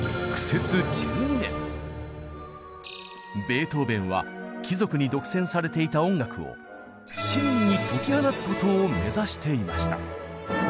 ベートーベンは貴族に独占されていた音楽を市民に解き放つことを目指していました。